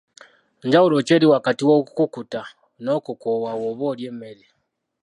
Njawulo ki eri wakati w'okukkuta n'okukoowa bw'oba olya emmere?